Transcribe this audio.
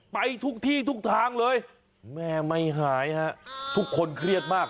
ไปทุกที่ทุกทางเลยแม่ไม่หายฮะทุกคนเครียดมาก